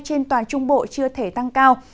trên toàn trung bộ chưa thể tăng cao